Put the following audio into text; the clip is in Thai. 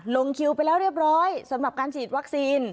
ลงคิวไปแล้วเรียบร้อยสำหรับการฉีดวัคซีน